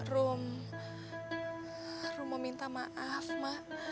rum rum mau minta maaf mah